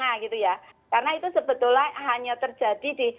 karena itu sebetulnya hanya terjadi di